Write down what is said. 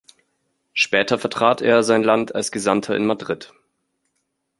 Später vertrat er sein Land als Gesandter in Madrid.